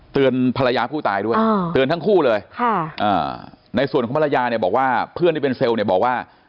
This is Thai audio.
ภรรยาผู้ตายด้วยเตือนทั้งคู่เลยในส่วนของภรรยาเนี่ยบอกว่าเพื่อนที่เป็นเซลล์เนี่ยบอกว่า